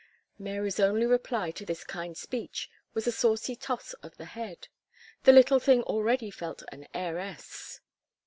Mary's only reply to this kind speech, was a saucy toss of the head. The little thing already felt an heiress.